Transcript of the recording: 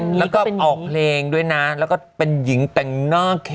เออเพราะเป็นหญิงเสร็จแล้วก็ออกเลงด้วยนะแล้วก็เป็นหญิงแต่งหน้าเข้ม